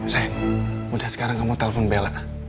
saya udah sekarang kamu telpon bella